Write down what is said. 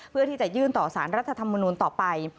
เพื่อที่จะยื่นต่อสารรัฐธรรมนูลต่อไป